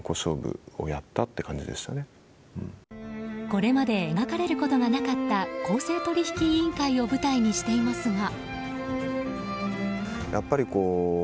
これまで描かれることがなかった公正取引委員会を舞台にしていますが。